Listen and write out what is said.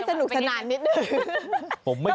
ให้สนุกสนานนิดหนึ่ง